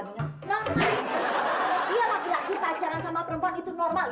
dia laki laki pacaran sama perempuan itu normal